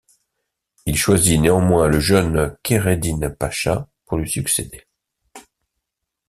Il choisit néanmoins le jeune Kheireddine Pacha pour lui succéder.